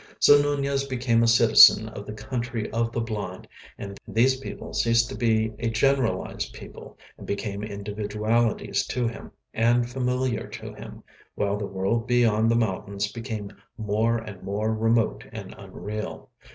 So Nunez became a citizen of the Country of the Blind, and these people ceased to be a generalised people and became individualities to him, and familiar to him, while the world beyond the mountains became more and more remote and unreal.